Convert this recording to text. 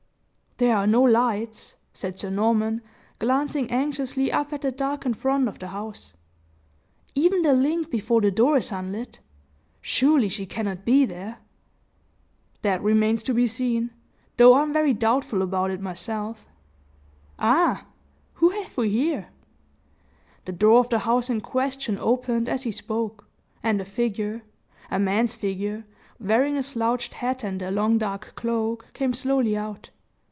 "There are no lights," said Sir Norman, glancing anxiously up at the darkened front of the house; "even the link before the door is unlit. Surely she cannot be there." "That remains to be seen, though I'm very doubtful about it myself. Ah! whom have we here?" The door of the house in question opened, as he spoke, and a figure a man's figure, wearing a slouched hat and long, dark cloak, came slowly out.